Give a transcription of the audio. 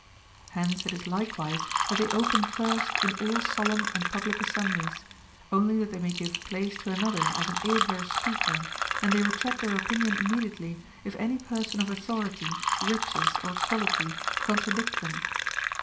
Hence it is likewise, that they open first in all solemn and public assemblies, only that they may give place to another as an abler speaker, and they retract their opinion immediately, if any person of authority, riches, or quality contradict them.